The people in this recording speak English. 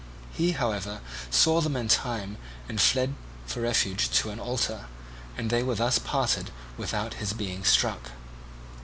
He, however, saw them in time and fled for refuge to an altar; and they were thus parted without his being struck.